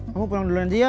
kamu pulang dulu nanti ya